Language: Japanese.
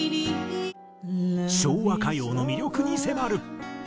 昭和歌謡の魅力に迫る。